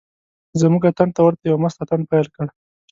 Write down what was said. زموږ اتڼ ته ورته یو مست اتڼ پیل کړ.